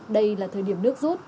đây là thời điểm nước rút